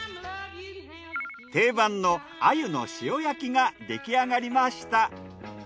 定番の鮎の塩焼きが出来上がりました。